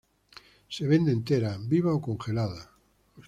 Se vende entera, viva o congelada.